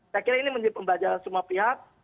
saya kira ini menjadi pembelajaran semua pihak